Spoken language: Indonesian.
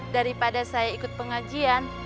daripada saya ikut pengajian